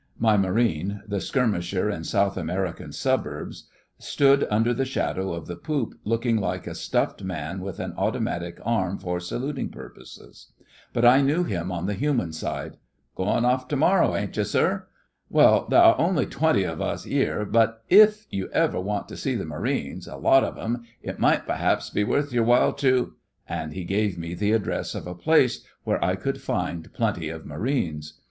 My Marine—the skirmisher in South American Suburbs—stood under the shadow of the poop looking like a stuffed man with an automatic arm for saluting purposes; but I knew him on the human side. 'Goin' off to morrow, ain't you, sir? Well, there are only twenty of us 'ere, but if you ever want to see the Marines, a lot of 'em, it might perhaps be worth your while to'—and he gave me the address of a place where I would find plenty of Marines.